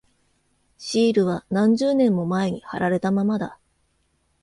シールは何十年も前に貼られたままだ。